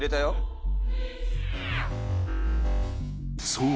［そう。